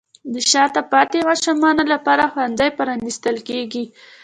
د شاته پاتې ماشومانو لپاره ښوونځي پرانیستل کیږي.